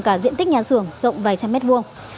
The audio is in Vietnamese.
cả diện tích nhà xưởng rộng vài trăm mét vuông